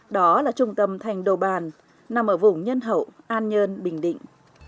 đó là trung tâm thành đồ bàn nằm ở vùng nhân hậu an nhơn bình định